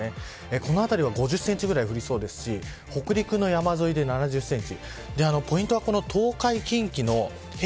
この辺りは５０センチぐらい降りそうですし北陸の山沿いで７０センチ。